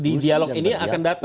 di dialog ini akan datang